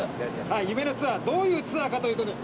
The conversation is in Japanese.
夢のツアーどういうツアーかというとですね